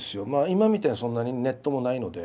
今みたいにそんなにネットもないので。